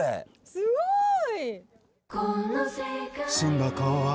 すごい！